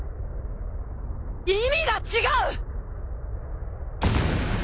意味が違う！